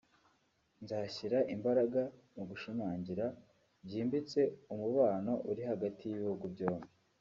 nzashyira imbaraga mu gushimangira byimbitse umubano uri hagati y’ibihugu byombi”